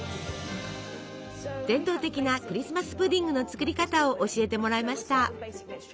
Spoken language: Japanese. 伝統的なクリスマス・プディングの作り方を教えてもらいました。